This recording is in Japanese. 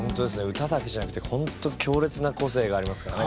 歌だけじゃなくてホント強烈な個性がありますからね